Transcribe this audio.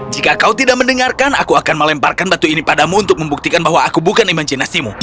jika kau tidak mendengarkan aku akan melemparkan batu ini padamu untuk membuktikan bahwa aku bukan imajinasimu